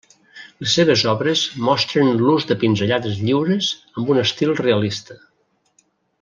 Les seves obres mostren l'ús de pinzellades lliures amb un estil realista.